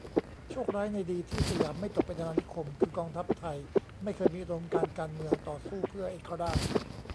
โชคร้ายในดีที่สยามไม่ตกเป็นอาณานิคม คือกองทัพไทยไม่เคยมีอุดมการณ์การเมืองต่อสู้เพื่อเอกราช